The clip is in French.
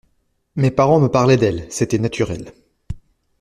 Mes parents me parlaient d’elle, c’était naturel.